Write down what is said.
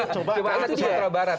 coba ke sumatera barat